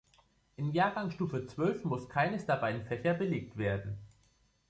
In Jahrgangsstufe zwölf muss keines der beiden Fächer belegt werden.